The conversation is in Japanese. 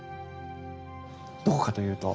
どこかというと。